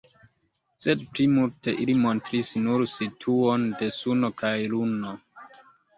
Sed plimulte ili montris nur situon de Suno kaj Luno.